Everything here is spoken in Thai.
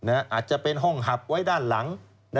อาจจะเป็นห้องหับไว้ด้านหลัง